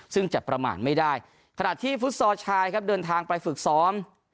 ซึ่งจะประมาณไม่ได้ขณะที่ฟุตซอลชายครับเดินทางไปฝึกซ้อม